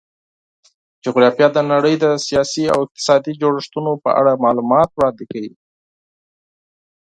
جغرافیه د نړۍ د سیاسي او اقتصادي جوړښتونو په اړه معلومات وړاندې کوي.